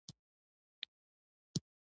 او په تشیال کې به، دترنم ډکه نڅا وکړي